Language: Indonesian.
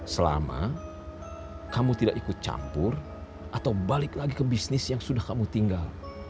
selama kamu tidak ikut campur atau balik lagi ke bisnis yang sudah kamu tinggal